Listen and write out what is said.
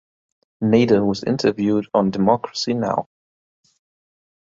Nader was interviewed on Democracy Now!